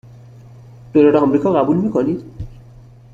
دلار آمریکا قبول می کنید؟